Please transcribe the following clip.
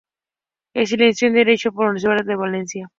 Se licenció en Derecho por la Universidad de Valencia.